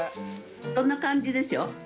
そんな感じでしょ？